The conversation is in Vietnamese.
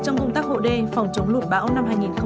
trong công tác hộ đê phòng chống lụt bão